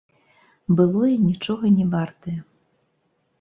Былое нічога не вартае.